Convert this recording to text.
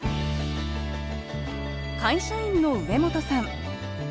会社員の上本さん。